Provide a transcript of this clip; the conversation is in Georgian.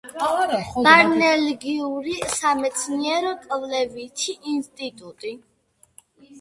ბალნეოლოგიური სამეცნიერო-კვლევითი ინსტიტუტი.